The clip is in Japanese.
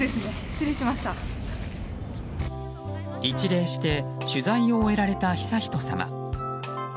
一礼して取材を終えられた悠仁さま。